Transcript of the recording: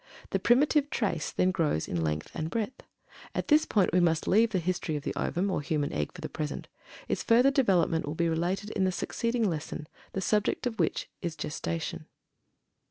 The "primitive trace" then grows in length and breadth. At this point we must leave the history of the ovum, or human egg, for the present; its further development will be related in the succeeding lesson, the subject of which is "Gestation."